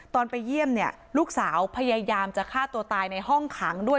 ตอนไปเยี่ยมเนี่ยลูกสาวพยายามจะฆ่าตัวตายในห้องขังด้วย